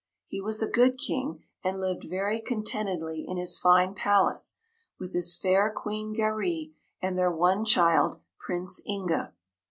He was a good King and lived very contentedly in his fine palace, with his fair Queen Garee and their one child, Prince Inga.